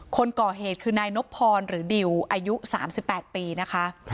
คนก่อเหตุคือนายนบพรหรือดิวอายุ๓๘ปีนะคะ